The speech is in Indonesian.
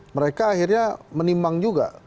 mereka akhirnya menimbang juga